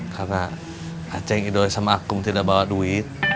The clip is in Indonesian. karena acing ido sama akum tidak bawa duit